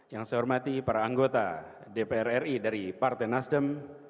yang saya hormati para anggota dprri dari partai nasdem